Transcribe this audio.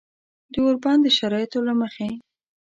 د اوربند د شرایطو له مخې